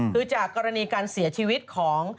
คือจากกรณีการเสียชีวิตของ